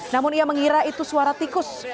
namun ia mengira itu suara tikus